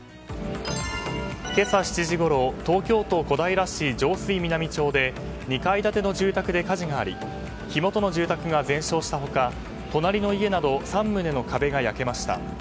今朝７時ごろ東京都小平市上水南町で２階建ての住宅で火事があり火元の住宅が全焼した他隣の家など３棟の壁が焼けました。